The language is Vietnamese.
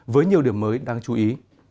với nhiều điểm mới đáng chú ý